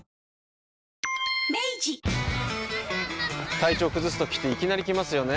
体調崩すときっていきなり来ますよね。